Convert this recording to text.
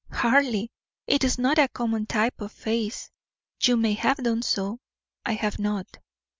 "Hardly; it is not a common type of face. You may have done so: I have not."